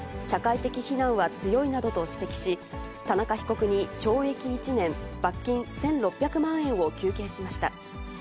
社会的非難は強いなどと指摘し、田中被告に懲役１年、罰金１６００万円を求刑しました。